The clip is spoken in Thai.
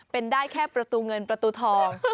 เป็นได้แค่ประตูเงินประตูทอง